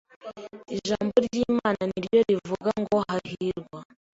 Ijambo ry’Imana niryo rivuga ngo hahirwa